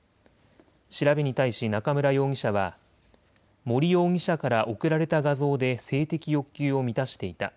調べに対し中村容疑者は森容疑者から送られた画像で性的欲求を満たしていた。